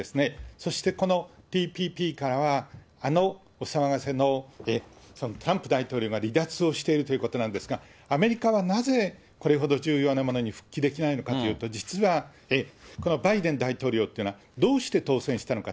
そしてこのＴＰＰからは、あのお騒がせのトランプ大統領が離脱をしてるということなんですが、アメリカはなぜ、これほど重要なものに復帰できないのかというと、実はこのバイデン大統領というのは、どうして当選したのか。